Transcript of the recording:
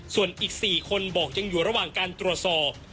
ส่วนอีก๔คนบอกยังอยู่ระหว่างการตรวจสอบ